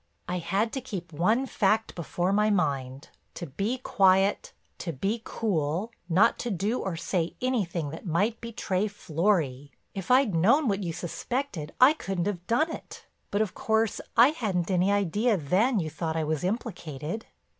I had to keep one fact before my mind—to be quiet, to be cool, not to do or say anything that might betray Florry. If I'd known what you suspected, I couldn't have done it. But, of course, I hadn't any idea then you thought I was implicated.